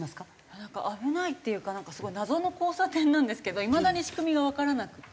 なんか危ないっていうかすごい謎の交差点なんですけどいまだに仕組みがわからなくて。